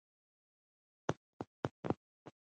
• غونډۍ هوا سړه ساتي.